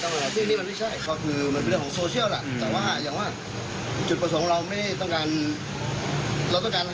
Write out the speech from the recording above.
อันนี้ไม่ใช่เฟรนชายไงที่เราที่เราการทำเพราะว่าเป็นเฟรนชาย